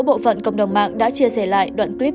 bộ phận cộng đồng mạng đã chia sẻ lại đoạn clip